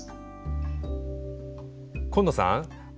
紺野さん